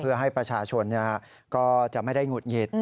เพื่อให้ประชาชนก็จะไม่ได้หงุดหงิด